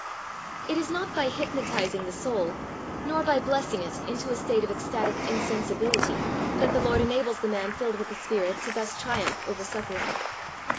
It is not by hypnotising the soul, nor by blessing it into a state of ecstatic insensibility, that the Lord enables the man filled with the Spirit to thus triumph over suffering.